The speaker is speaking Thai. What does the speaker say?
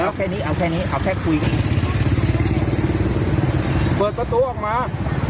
เอาแค่นี้เอาแค่นี้เอาแค่คุยเปิดประตูออกมา